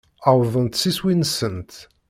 Uwḍent s iswi-nsent.